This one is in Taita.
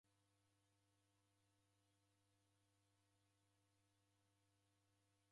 W'andu w'ikaghosia w'ineko w'utesia ni w'ana w'aw'o.